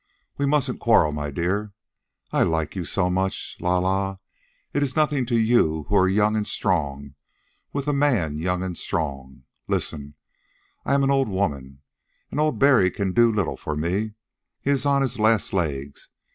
"We mustn't quarrel, my dear. I like you so much. La la, it is nothing to you, who are young and strong with a man young and strong. Listen, I am an old woman. And old Barry can do little for me. He is on his last legs.